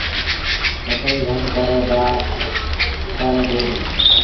ٻڪريٚ گھڻوݩ ڪري ٻآ ڦر ڏي ديٚ۔